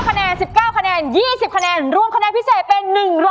๑๙คะแนน๑๙คะแนน๒๐คะแนนรวมคะแนนพิเศษเป็น๑๑๙คะแนนครับ